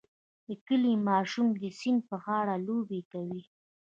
د کلي ماشوم د سیند په غاړه لوبې کوي.